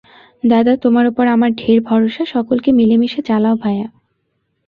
দাদা, তোমার উপর আমার ঢের ভরসা, সকলকে মিলেমিশে চালাও ভায়া।